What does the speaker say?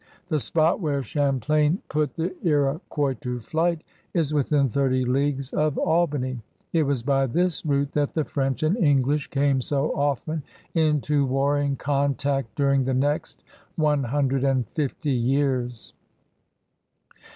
The spot where Champlain put the Iroquois to flight is within thirty leagues of Albany. It was by this route that the French and English came so often into warring contact during the next one hundred and flfty years.